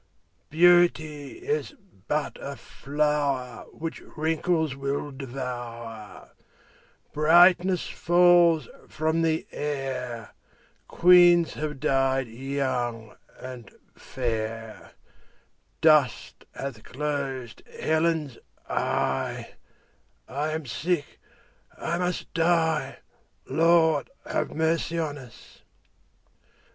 Beauty is but a flower 15 Which wrinkles will devour; Brightness falls from the air; Queens have died young and fair; Dust hath closed Helen's eye; I am sick, I must die— 20 Lord, have mercy on us!